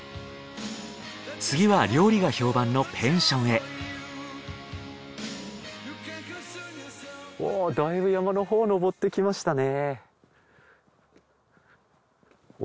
次は料理が評判のペンションへだいぶ山のほう登ってきましたね。